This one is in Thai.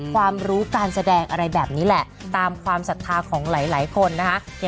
ความรู้การแสดงอะไรแบบนี้แหละตามความศรัทธาของหลายคนนะคะ